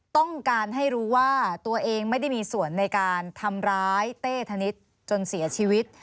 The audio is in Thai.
ต้องการให้รู้ว่าตัวเองไม่ได้มีส่วนในการทำร้ายเต้ธนิษฐ์จนเสียชีวิต